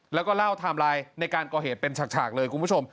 แล้วก็เล่าไทม์ไลน์ในการก่อเหตุเป็นฉากเลยคุณผู้ชม